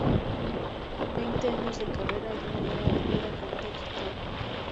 Veinte años de carrera y una nueva aventura con Take That.